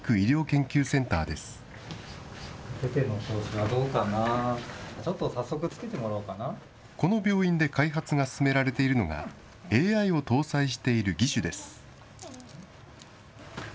この病院で開発が進められているのが、ＡＩを搭載している義手です。